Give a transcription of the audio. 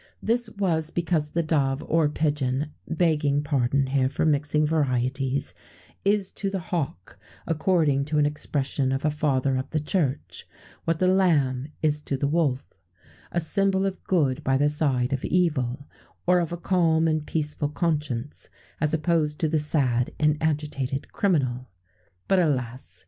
[XVII 87] This was because the dove or pigeon (begging pardon, here, for mixing varieties) is to the hawk, according to an expression of a father of the Church, what the lamb is to the wolf,[XVII 88] a symbol of good by the side of evil, or of a calm and peaceful conscience, as opposed to the sad and agitated criminal. But, alas!